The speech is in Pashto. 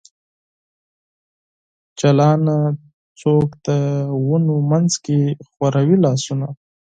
جلانه ! څوک د ونو منځ کې خوروي لاسونه ؟